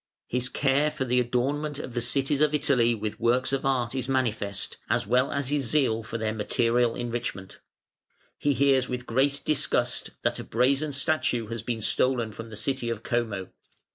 His care for the adornment of the cities of Italy with works of art is manifest, as well as his zeal for their material enrichment. He hears with great disgust that a brazen statue has been stolen from the city of Como.